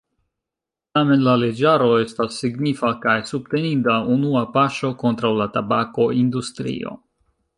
Tamen la leĝaro estas signifa kaj subteninda unua paŝo kontraŭ la tabako-industrio.